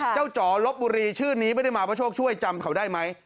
จ๋อลบบุรีชื่อนี้ไม่ได้มาเพราะโชคช่วยจำเขาได้ไหม